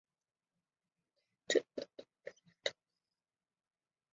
此一转变使得热带神经衰弱的致病因由气候转变为压抑欲望。